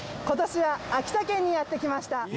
今年は秋田県にやって来ました。